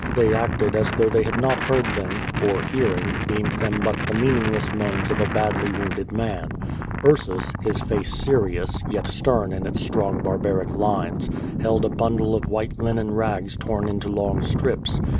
They acted as though they had not heard them, or hearing, deemed them but the meaningless moans of a badly wounded man. Ursus, his face serious, yet stern in its strong barbaric lines, held a bundle of white linen rags torn into long strips.